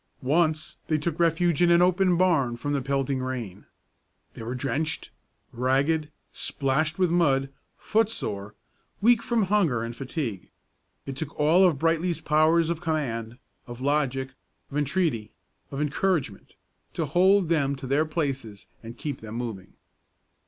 Once they took refuge in an open barn from the pelting rain. They were drenched, ragged, splashed with mud, footsore, weak from hunger and fatigue. It took all of Brightly's powers of command, of logic, of entreaty, of encouragement, to hold them to their places and keep them moving.